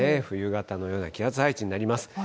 冬型のような気圧配置になります。